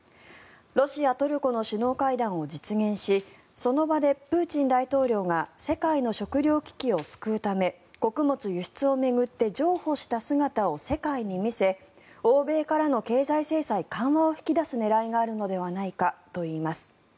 ロシア・トルコの首脳会談を実現しその場でプーチン大統領が世界の食糧危機を救うため穀物輸出を巡って譲歩した姿を世界に見せ欧米からの経済制裁緩和を引き出す狙いがあるのではないかといいます。